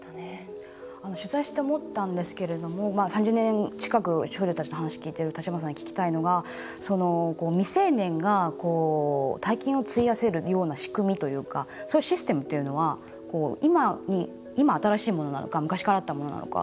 取材して思ったんですけれども３０年近く少女たちの話聞いてる橘さんに聞きたいのが未成年が大金を費やせるような仕組みというかそういうシステムっていうのは今、新しいものなのか昔からあったものなのか